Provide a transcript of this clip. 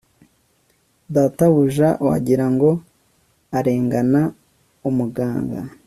databuja, wagira ngo, arengana umuganga